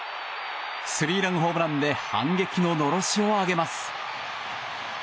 スリーランホームランで反撃ののろしを上げます。